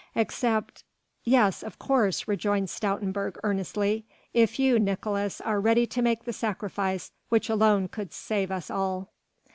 "Except...." "Yes, of course," rejoined Stoutenburg earnestly, "if you, Nicolaes, are ready to make the sacrifice which alone could save us all."